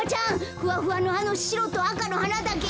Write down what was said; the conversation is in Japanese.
ふわふわのあのしろとあかのはなだけど。